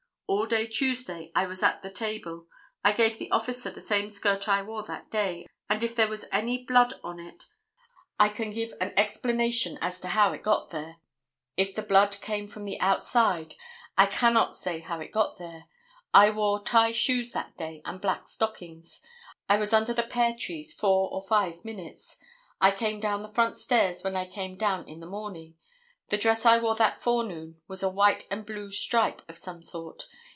All day Tuesday I was at the table. I gave the officer the same skirt I wore that day, and if there was any blood on it I can give an explanation as to how it got there. If the blood came from the outside, I cannot say how it got there. I wore tie shoes that day and black stockings. I was under the pear trees four or five minutes. I came down the front stairs when I came down in the morning. The dress I wore that forenoon was a white and blue stripe of some sort.